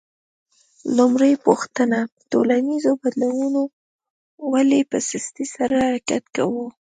لومړۍ پوښتنه: ټولنیزو بدلونونو ولې په سستۍ سره حرکت کاوه؟